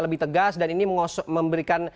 lebih tegas dan ini memberikan